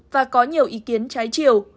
và có nhiều ý kiến trái triều